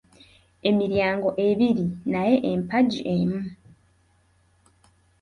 Emiryango ebiri naye empagi emu